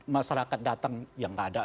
masyarakat datang yang nggak ada